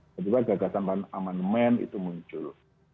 dan juga gagasan amandemen itu muncul